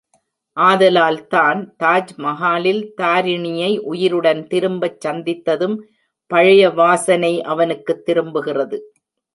ஆதலால்தான், தாஜ்மகாலில் தாரிணியை உயிருடன் திரும்பச் சந்தித்ததும், பழைய வாசனை அவனுக்குத் திரும்புகிறது.